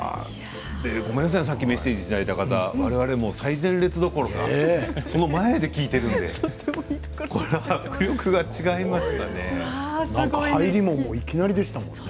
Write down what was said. ごめんなさいさっきメッセージいただいた方、我々、最前列どころかその前で聴いているのでなんか入りもいきなりでしたよね。